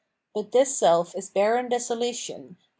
But this self is barren desolation, and * Cp.